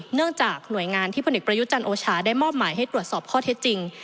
เนื่องจากหน่วยงานที่พลเอกประยุจันทร์โอชาได้มอบหมายให้ตรวจสอบข้อเท็จจริง